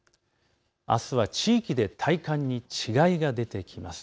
あすは地域で体感に違いが出てきます。